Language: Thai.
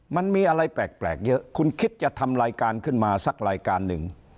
มันมีอะไรแปลกเยอะคุณคิดจะทำรายการขึ้นมาสักรายการหนึ่ง